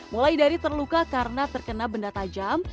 mulai dari terluka karena terkena benda tajam